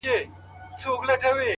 او ستا پر قبر به’